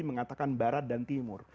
mengatakan barat dan timur